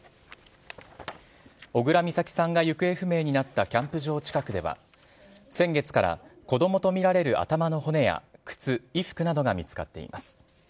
小倉美咲さんが行方不明になったキャンプ場近くでは、先月から子どもと見られる頭の骨や靴、衣服などが見つかっています。